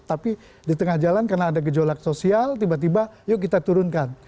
tapi di tengah jalan karena ada gejolak sosial tiba tiba yuk kita turunkan